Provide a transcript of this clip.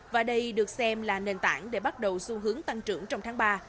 và đây được xem là nền tảng để bắt đầu xu hướng tăng trưởng trong tháng ba